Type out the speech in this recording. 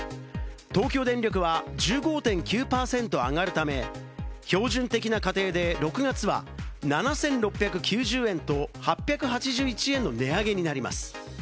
東京電力は１５．９％上がるため、標準的な家庭で６月は７６９０円と８８１円の値上げになります。